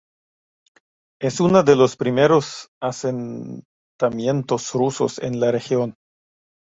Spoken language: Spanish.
Es una de los primeros asentamientos rusos en la región.